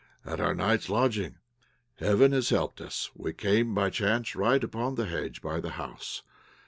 "At our night's lodging. Heaven has helped us; we came by chance right upon the hedge by the house.